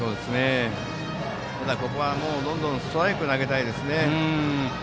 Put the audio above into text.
ただ、ここはどんどんストライクを投げたいですね。